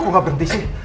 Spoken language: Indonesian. kok gak berhenti sih